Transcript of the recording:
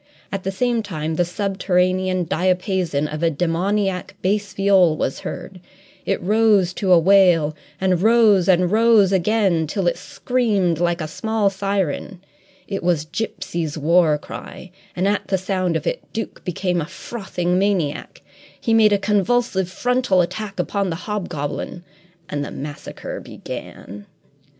At the same time the subterranean diapason of a demoniac bass viol was heard; it rose to a wail, and rose and rose again till it screamed like a small siren. It was Gipsy's war cry, and, at the sound of it, Duke became a frothing maniac. He made a convulsive frontal attack upon the hobgoblin and the massacre began.